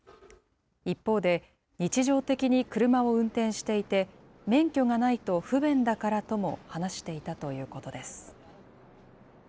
一方で、日常的に車を運転していて、免許がないと不便だからとも話していたということです。